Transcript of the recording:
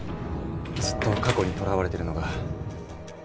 ずっと過去にとらわれてるのが。